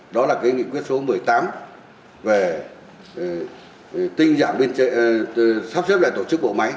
đó là nghị quyết số một mươi tám về sắp xếp lại tổ chức bộ máy